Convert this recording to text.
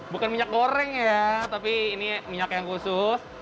bukan minyak goreng ya tapi ini minyak yang khusus